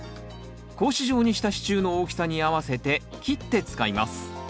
格子状にした支柱の大きさに合わせて切って使います。